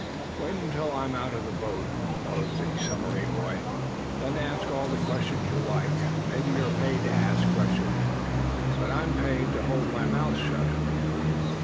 "Wait until I'm out of the boat," proposed the submarine boy. "Then ask all the questions you like. Maybe you're paid to ask questions, but I'm paid to hold my mouth shut."